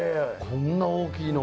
こんな大きいの。